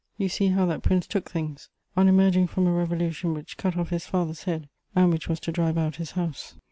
you see how that Prince took things on emerging from a revolution which cut off his father's head, and which was to drive out his House.